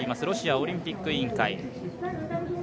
ロシアオリンピック委員会。